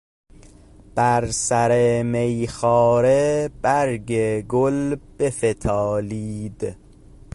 بر سر میخواره برگ گل بفتالید